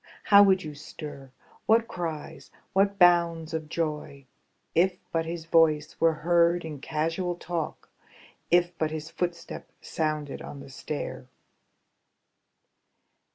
How would you stir, what cries, what bounds of joy. If but his voice were heard in casual talk. If but his footstep sounded on the stair!